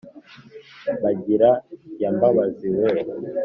mbangira ya mbabazi we